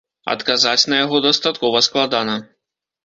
Адказаць на яго дастаткова складана.